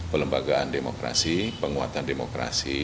pelembagaan demokrasi penguatan demokrasi